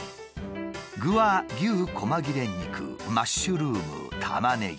具は牛こま切れ肉マッシュルームたまねぎ。